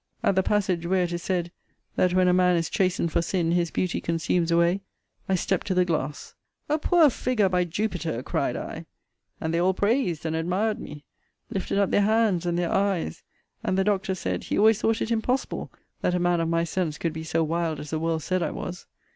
* At the passage where it is said, That when a man is chastened for sin, his beauty consumes away, I stept to the glass: A poor figure, by Jupiter, cried I! And they all praised and admired me; lifted up their hands and their eyes; and the doctor said, he always thought it impossible, that a man of my sense could be so wild as the world said I was.